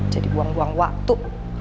jadi buang buang waktu